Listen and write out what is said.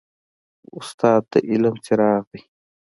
استاد د علم څراغ دی.